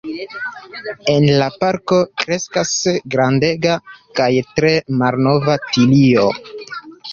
En la parko kreskas grandega kaj tre malnova tilio.